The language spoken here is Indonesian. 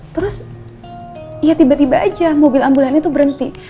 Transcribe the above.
terus ya tiba tiba aja mobil ambulannya tuh berhenti